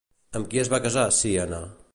Amb qui es va casar Cíane?